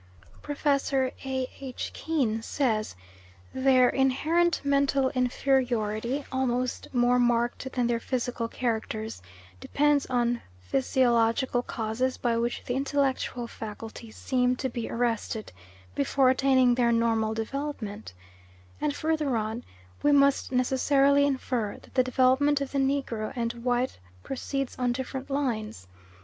Prof A. H. Keane says "their inherent mental inferiority, almost more marked than their physical characters, depends on physiological causes by which the intellectual faculties seem to be arrested before attaining their normal development"; and further on, "We must necessarily infer that the development of the negro and white proceeds on different lines.